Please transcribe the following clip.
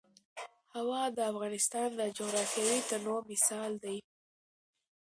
هوا د افغانستان د جغرافیوي تنوع مثال دی.